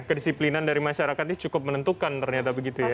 kedisiplinan dari masyarakat ini cukup menentukan ternyata begitu ya